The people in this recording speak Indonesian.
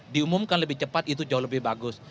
diumumkan lebih cepat itu jauh lebih bagus